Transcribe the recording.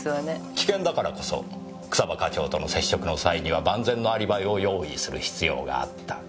危険だからこそ草葉課長との接触の際には万全のアリバイを用意する必要があった。